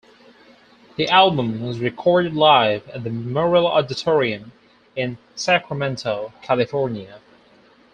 The album was recorded live at the Memorial Auditorium in Sacramento, California.